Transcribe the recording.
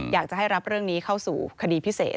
อยากจะให้รับเรื่องนี้เข้าสู่คดีพิเศษ